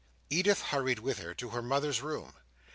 Edith hurried with her to her mother's room.